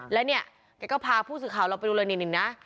แล้วเนี่ยแกก็พาผู้สื่อข่าวเราไปดูเลยนี่นะ